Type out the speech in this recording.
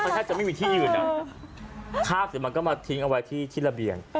แทบจะไม่มีที่ยืนอ่ะคราบเสร็จมันก็มาทิ้งเอาไว้ที่ที่ระเบียง